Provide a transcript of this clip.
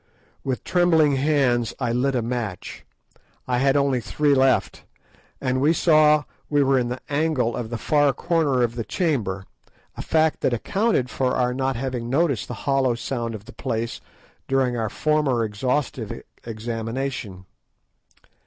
_ With trembling hands I lit a match. I had only three left, and we saw that we were in the angle of the far corner of the chamber, a fact that accounted for our not having noticed the hollow sound of the place during our former exhaustive examination.